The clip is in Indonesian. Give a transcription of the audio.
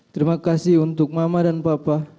terima kasih untuk mama dan papa